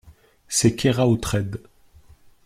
C’est Keraotred.